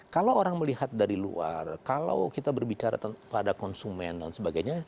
kalau orang melihat dari luar kalau kita berbicara pada konsumen dan sebagainya